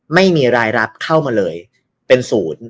ไม่มีรายรับเข้ามาเลยเป็นศูนย์